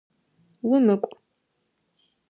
Умыкӏу!